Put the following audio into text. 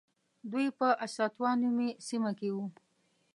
دوی په السطوة نومې سیمه کې وو.